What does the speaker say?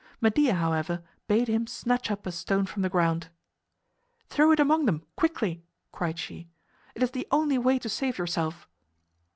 Medea, however, bade him snatch up a stone from the ground. "Throw it among them quickly!" cried she. "It is the only way to save yourself."